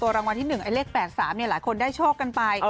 รางวัลที่๑ไอเลข๘๓หลายคนได้โชคกันไป